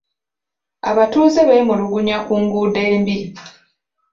Abatuuze bemulugunya ku nguudo embi.